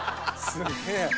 すげえ！」